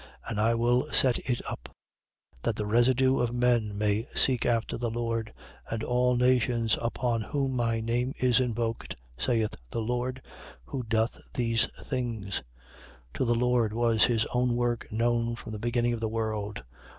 And I will set it up: 15:17. That the residue of men may seek after the Lord, and all nations upon whom my name is invoked, saith the Lord, who doth these things. 15:18. To the Lord was his own work known from the beginning of the world.